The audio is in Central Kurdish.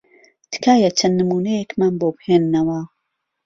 تکایە چەند نموونەیەکمان بۆ بهێننەوە.